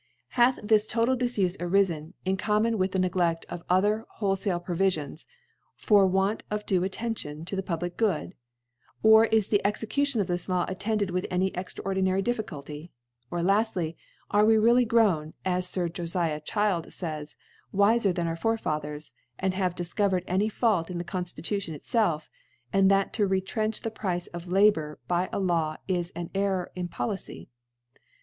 Hath this totat Difufe arifen^ in common with the Ncgleft of other wholefome Pro vifions, from Want of due Attention t6 riic Public Good ? or is the Execution cf this Law attended with any extraordinary Difficulty ? or, laftly, are we really grown^. as Sir Jojiab CbildSzySj wifer than our Fore iatheFSs and have diibovered any Fault ih ...•'' the: ( 8« ) t^ Conrflkution itfdf v and that to retrtndi the Price of Labour by a Law is an Error In Policy